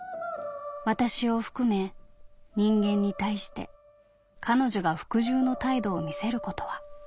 私を含め人間に対して彼女が服従の態度を見せることは皆無だ」。